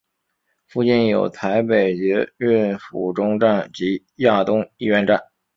附近有台北捷运府中站及亚东医院站。